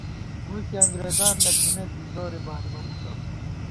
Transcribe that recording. ووئی کی انگرېزان نہ تھنَئیت زی زورے بارِمہ بِتہ